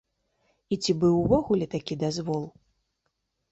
І ці быў увогуле такі дазвол?